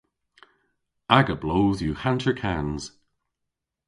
Aga bloodh yw hanterkans.